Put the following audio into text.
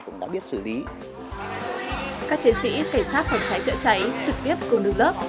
các chiến sĩ cảnh sát phòng trái trợ cháy trực tiếp cùng đường lớp